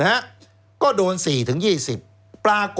แล้วเขาก็ใช้วิธีการเหมือนกับในการ์ตูน